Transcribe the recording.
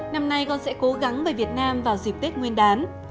năm nay con sẽ cố gắng về việt nam vào dịp tết nguyên đán